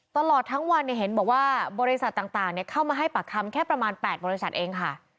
ตลอดทั้งวันเห็นบอกว่าบริษัทต่างเข้ามาให้ปากคำแค่ประมาณ๘บริษัทเองค่ะ